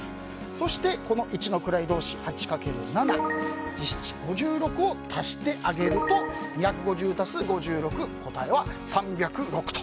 そして、一の位同士の８×７で５６を足してあげると２５０足す５６答えは３０６と。